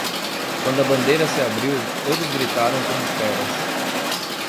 Quando a bandeira se abriu, todos gritaram como feras.